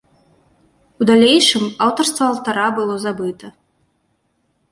У далейшым аўтарства алтара было забыта.